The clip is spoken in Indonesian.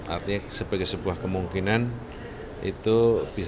artinya sebagai sebuah kemungkinan itu bisa